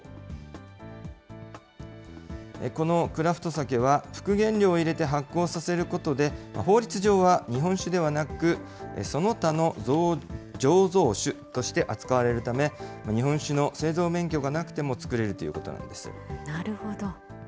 このクラフトサケは、副原料を入れて発酵させることで、法律上は日本酒ではなく、その他の醸造酒として扱われるため、日本酒の製造免許がなくても造れるということなんです。